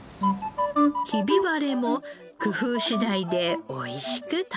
ひび割れも工夫次第で美味しく食べられるそうです。